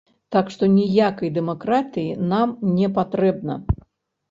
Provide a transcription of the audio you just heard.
Так што ніякай дэмакратыі нам не патрэбна.